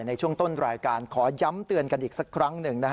ในช่วงต้นรายการขอย้ำเตือนกันอีกสักครั้งหนึ่ง